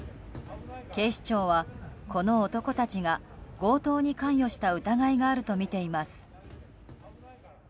警視庁は、この男たちが強盗に関与した疑いがあるとみています。